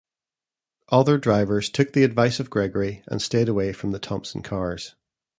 Other drivers took the advice of Gregory, and stayed away from the Thompson cars.